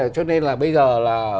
cho nên là bây giờ là